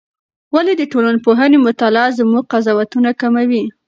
ولې د ټولنپوهنې مطالعه زموږ قضاوتونه کموي؟